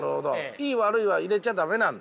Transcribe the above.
いい悪いは入れちゃ駄目なんだ。